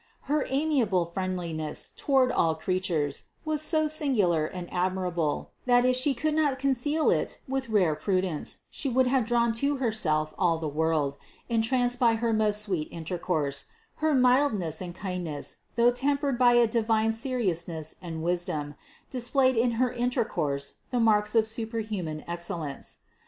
Her amiable friendliness toward all creatures was so singular and admirable, that, if She had not con cealed it with rare prudence, She would have drawn to Herself all the world, entranced by her most sweet in tercourse; her mildness and kindness, though tempered by a divine seriousness and wisdom, displayed in her in tercourse the marks of superhuman excellence.